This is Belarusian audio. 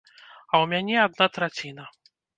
А ў мяне адна траціна.